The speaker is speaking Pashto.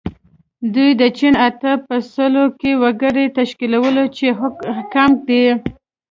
دوی د چین اته په سلو کې وګړي تشکیلوي چې کم دي.